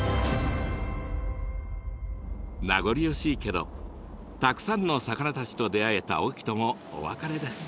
名残惜しいけどたくさんの魚たちと出会えた隠岐ともお別れです。